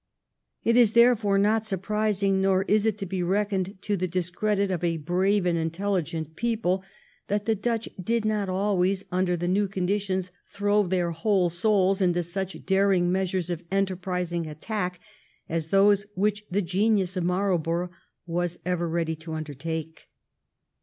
It is therefore not surprising, nor is it to be reckoned to the discredit of a brave and intel ligent people, that the Dutch did not always, under the new conditions, throw their whole souls into such daring measures of enterprising attack as those which the genius of Marlborough was ever ready to undertake.